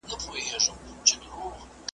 دام له سترګو وو نیهام خاورو کي ښخ وو .